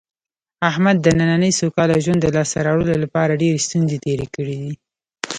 احمد د نننۍ سوکاله ژوند د لاسته راوړلو لپاره ډېرې ستونزې تېرې کړې دي.